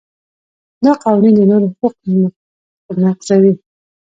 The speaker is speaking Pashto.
دا قوانین د نورو حقوق نقضوي.